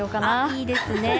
いいですね。